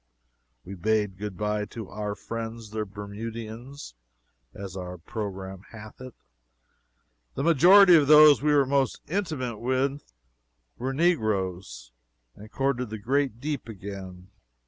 We bade good bye to "our friends the Bermudians," as our programme hath it the majority of those we were most intimate with were negroes and courted the great deep again.